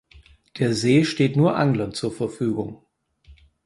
Der See steht nur Anglern zur Verfügung.